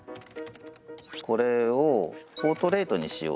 これをポートレートにしようという。